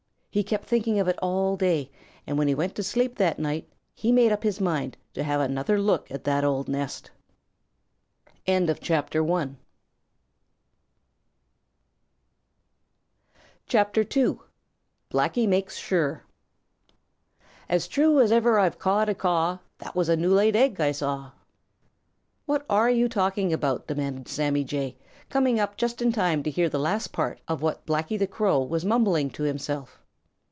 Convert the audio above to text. He kept thinking of it all day, and when he went to sleep that night he made up his mind to have another look at that old nest. CHAPTER II: Blacky Makes Sure "As true as ever I've cawed a caw That was a new laid egg I saw." "What are you talking about?" demanded Sammy Jay, coming up just in time to hear the last part of what Blacky the Crow was mumbling to himself.